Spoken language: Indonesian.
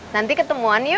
nanti ketemuan yuk